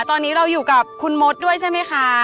ตอนนี้เราอยู่กับคุณมดด้วยใช่ไหมคะ